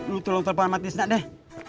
lo tolong telepon sama tisna deh